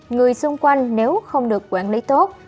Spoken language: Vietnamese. người xung quanh nếu không được quản lý tốt